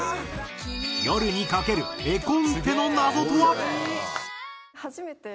『夜に駆ける』絵コンテの謎とは？